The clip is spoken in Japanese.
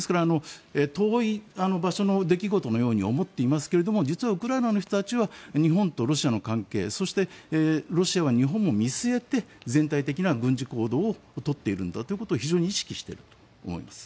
遠い場所の出来事ように思っていますけどウクライナの人たちは日本とロシアの関係そしてロシアは日本も見据えて全体的な軍事行動を取っているんだということを非常に意識しているんだと思います。